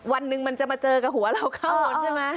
วันหนึ่งมันจะมาเจอกับหัวเราข้างบนใช่ไหม